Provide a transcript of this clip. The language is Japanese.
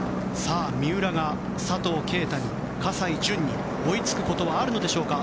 三浦が佐藤圭汰に、葛西潤に追いつくことはあるのでしょうか。